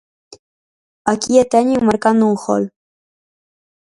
Aquí a teñen marcando un gol.